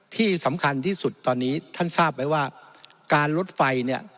ที่สำคัญที่สุดตอนนี้ท่านทราบไหมว่าการลดไฟเนี่ย